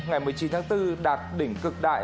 ngày một mươi chín tháng bốn đạt đỉnh cực đại